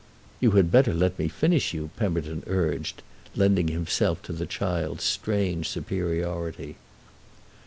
"You had better let me finish you," Pemberton urged, lending himself to the child's strange superiority.